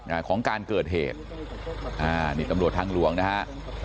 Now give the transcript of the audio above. อ่าของการเกิดเหตุอ่านี่ตำรวจทางหลวงนะฮะ